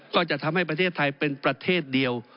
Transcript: ก็จะทำให้ประเทศไทยเป็นประเทศเดียว